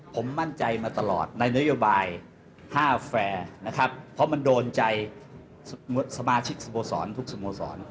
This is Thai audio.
ผมมั่นใจมาตลอดในนโยบาย๕แฟร์นะครับเพราะมันโดนใจสมาชิกสโมสรทุกสโมสร